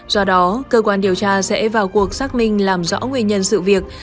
do đó cơ quan điều tra sẽ vào cuộc xác minh làm rõ nguyên nhân sự việc